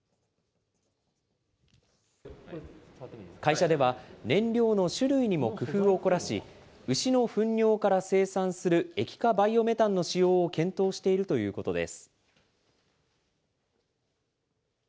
会社では、燃料の種類にも工夫を凝らし、牛のふん尿から生産する液化バイオメタンの使用を検討しているということです。